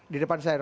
di depan saya